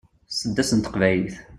s tseddast n teqbaylit